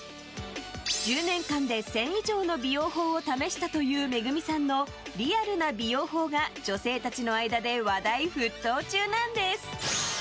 １０年間で１０００以上の美容法を試したというＭＥＧＵＭＩさんのリアルな美容法が女性たちの間で話題沸騰中なんです。